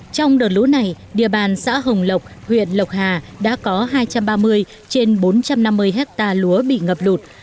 trong đợt lũ này địa bàn xã hồng lộc huyện lộc hà đã có hai trăm ba mươi trên bốn trăm năm mươi hectare lúa bị ngập lụt